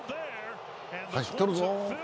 走っとるぞ。